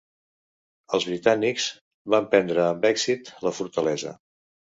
Els britànics van prendre amb èxit la fortalesa.